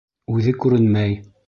Үҙе күренмәй.